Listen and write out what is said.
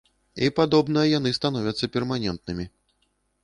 І, падобна, яны становяцца перманентнымі.